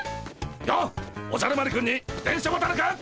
やあおじゃる丸くんに電書ボタルくん。